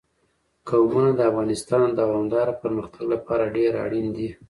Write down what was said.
قومونه د افغانستان د دوامداره پرمختګ لپاره ډېر اړین دي.